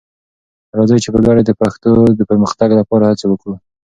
راځئ چې په ګډه د پښتو د پرمختګ لپاره هڅې وکړو.